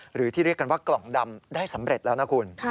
หรือที่เรียกกันว่ากล่องดำได้สำเร็จแล้วนะคุณ